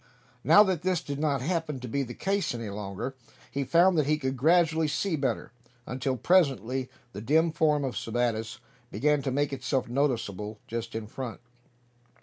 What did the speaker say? Now that this did not happen to be the case any longer, he found that he could gradually see better; until presently the dim form of Sebattis began to make itself noticeable just in front.